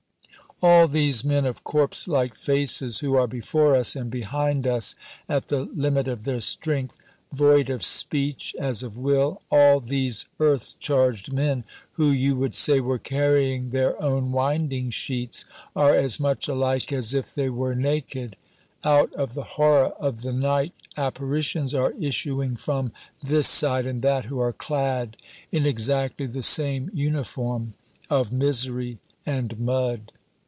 All these men of corpse like faces who are before us and behind us, at the limit of their strength, void of speech as of will, all these earth charged men who you would say were carrying their own winding sheets, are as much alike as if they were naked. Out of the horror of the night apparitions are issuing from this side and that who are clad in exactly the same uniform of misery and mud.